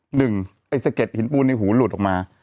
ไอ้สะเด็ดหินปูนในหูหลุดออกมา